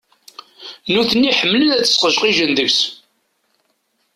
Nutni ḥemmlen ad sqejqijen deg-s.